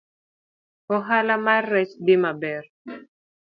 Ohala mar rech dhi maber